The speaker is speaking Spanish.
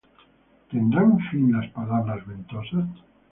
¿Tendrán fin las palabras ventosas?